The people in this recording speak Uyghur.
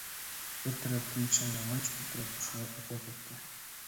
بىر تەرەپتىن چاينىغاچ، بىر تەرەپتىن خەۋەر ئوقۇۋاتاتتى.